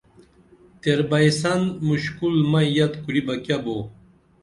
تیر بئی سن مُشکُل مئی یت کُری بہ کیہ بو